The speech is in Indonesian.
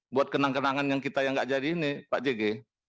buat kenang kenangan yang kita yang gak jadi ini pak jk